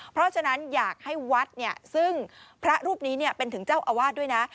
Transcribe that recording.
เพราะฉะนั้นอยากให้วัดซึ่งพระรูปนี้เป็นถึงเจ้าอาวาสด้วยนะ